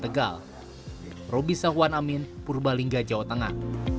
tegal roby sahwan amin purbalingga jawa tengah